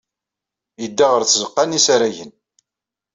Yedda ɣer tzeɣɣa n yisaragen.